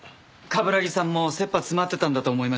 冠城さんも切羽詰まってたんだと思います。